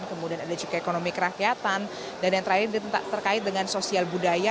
kemudian ada juga ekonomi kerakyatan dan yang terakhir terkait dengan sosial budaya